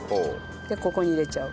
でここに入れちゃう。